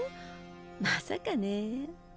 まさかね。